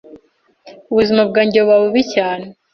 ubuzima bwange buba bubi cyane